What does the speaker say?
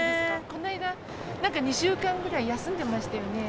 この間、なんか２週間ぐらい休んでましたよね。